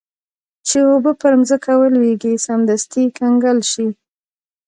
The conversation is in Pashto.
چې اوبه پر مځکه ولویږي سمدستي کنګل شي.